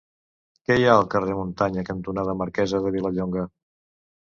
Què hi ha al carrer Muntanya cantonada Marquesa de Vilallonga?